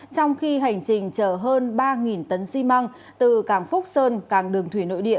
trong khi hành trình chở hơn ba tấn xi măng từ cảng phúc sơn càng đường thủy nội địa